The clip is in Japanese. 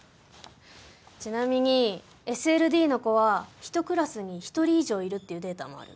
ちなみにＳＬＤの子は１クラスに１人以上いるっていうデータもある。